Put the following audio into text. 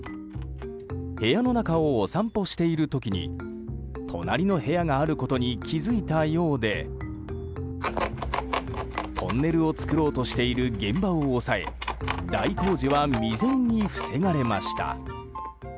部屋の中をお散歩している時に隣の部屋があることに気づいたようでトンネルを作ろうとしている現場を押さえ大工事は未然に防がれました。